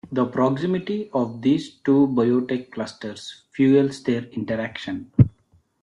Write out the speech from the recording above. The proximity of these two biotech clusters fuels their interaction.